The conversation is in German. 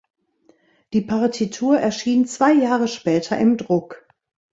Die Partitur erschien zwei Jahre später im Druck.